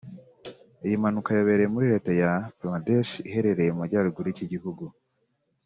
Iyi mpanuka yabereye muri Leta ya Pradesh iherereye mu majyaruguru y’iki gihugu